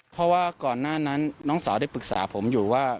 เพราะว่าก่อนหน้านั้นน้องสาวได้ปรึกษาผมอยู่ว่า